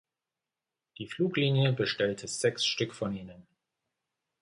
Die Fluglinie bestellte sechs Stück von ihnen.